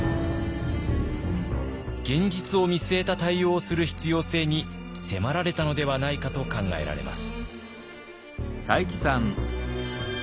現実を見据えた対応をする必要性に迫られたのではないかと考えられます。